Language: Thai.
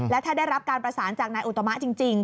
แล้วถ้าได้รับการประสานจากนายอุตมะจริง